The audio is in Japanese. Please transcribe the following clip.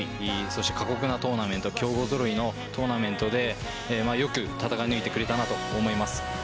そして過酷なトーナメント強豪揃いのトーナメントでよく戦い抜いてくれたなと思います。